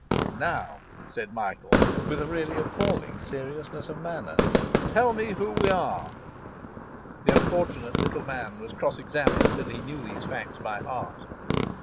Now,' said Michael, with a really appalling seriousness of manner, 'tell me who we are.' The unfortunate little man was cross examined till he knew these facts by heart.